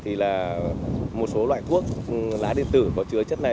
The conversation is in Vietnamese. thì là một số loại thuốc lá điện tử có chứa chất này